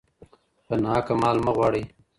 په ناحقه مال مه غواړئ.